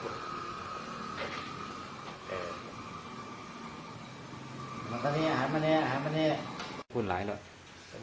คือกับหมาคือหมาดำหน่อยอะไรแบบนี้